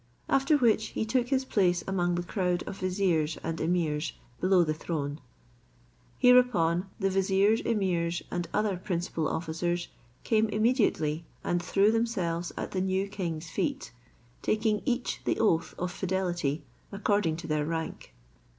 After which he took his place among the crowd of viziers and emirs below the throne. Hereupon the viziers, emirs, and other principal officers, came immediately and threw themselves at the new king's feet, taking each the oath of fidelity according to their rank.